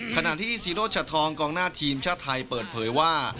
ขณะที่ซีโรชัดทองกองหน้าทีมชาติไทยเปิดเผยว่า